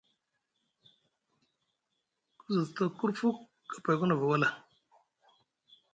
Ku za sda kurfuk kapay ku nava wala.